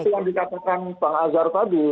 seperti yang dikatakan bang azhar tadi